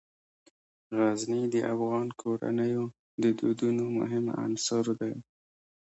غزني د افغان کورنیو د دودونو مهم عنصر دی.